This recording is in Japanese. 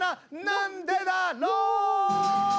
「なんでだろう」！